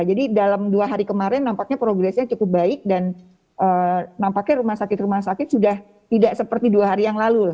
jadi dalam dua hari kemarin nampaknya progresnya cukup baik dan nampaknya rumah sakit rumah sakit sudah tidak seperti dua hari yang lalu